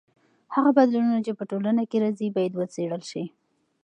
هغه بدلونونه چې په ټولنه کې راځي باید وڅېړل سي.